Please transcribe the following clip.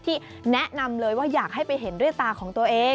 ที่แนะนำเลยว่าอยากให้ไปเห็นด้วยตาของตัวเอง